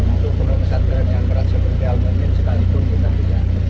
untuk pondok pesantren yang berat seperti almanit sekalipun kita tidak